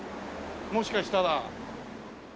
もしかしたら。